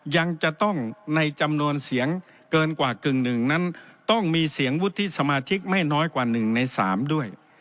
ยังจะต้องในจำนวนเสียงเกินกว่ากึ่งหนึ่งนั้นต้องมีเสียงวุฒิสมาชิกไม่น้อยกว่า๑ใน๓ด้วย